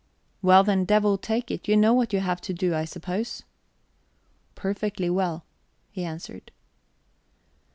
"Well, then, devil take it, you know what you have to do, I suppose?" "Perfectly well," he answered.